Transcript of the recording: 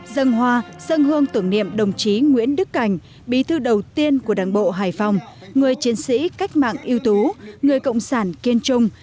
sân hoa sân hương tưởng niệm đồng chí nguyễn đức cảnh bí thư đầu tiên của đảng bộ hải phòng người chiến sĩ cách mạng yêu tú người cộng sản kiên trung